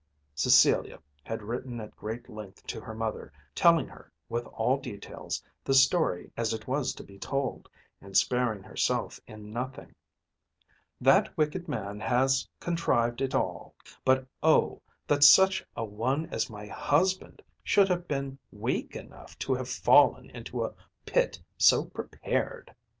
Cecilia had written at great length to her mother, telling her with all details the story as it was to be told, and sparing herself in nothing. "That wicked man has contrived it all. But, oh, that such a one as my husband should have been weak enough to have fallen into a pit so prepared!"